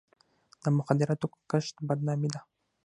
د مخدره توکو کښت بدنامي ده.